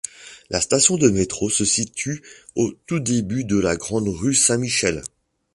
La station de métro se situe au tout début de la Grande-rue Saint-Michel.